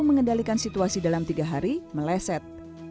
mengendalikan situasi dalam tiga hari meleset